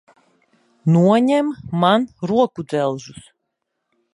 Noņem man rokudzelžus!